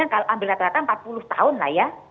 kalau ambil rata rata empat puluh tahun lah ya